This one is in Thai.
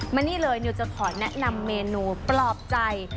มานี่เลยนิวจะขอแนะนำเมนูปลอบใจ